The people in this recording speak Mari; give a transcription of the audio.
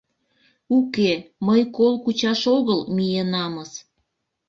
— Уке, мый кол кучаш огыл миенамыс...